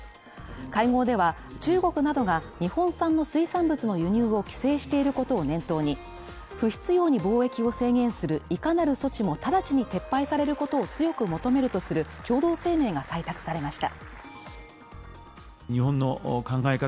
会合では、中国などが日本産の水産物の輸入を規制していることを念頭に不必要に貿易を制限するいかなる措置も直ちに撤廃されることを強く求めるとする共同声明が採択されました。